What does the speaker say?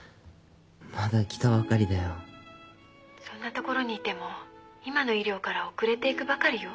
☎そんな所にいても今の医療から遅れていくばかりよ。